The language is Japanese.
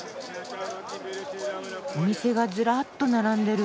お店がずらっと並んでる。